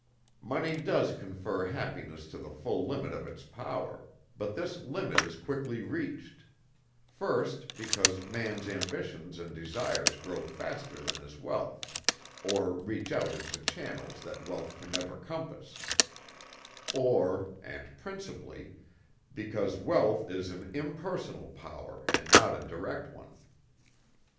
Money does confer happiness to the full limit of its power, but this limit is quickly reached first, because man's ambitions and desires grow faster than his wealth, or reach out into channels that wealth can never compass, or, and principally, because wealth is an impersonal power and not a direct one.